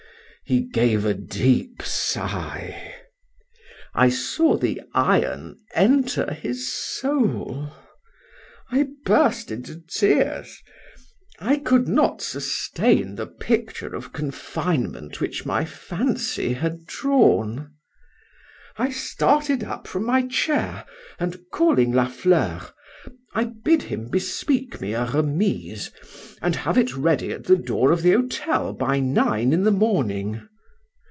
—He gave a deep sigh.—I saw the iron enter into his soul!—I burst into tears.—I could not sustain the picture of confinement which my fancy had drawn.—I started up from my chair, and calling La Fleur: I bid him bespeak me a remise, and have it ready at the door of the hotel by nine in the morning.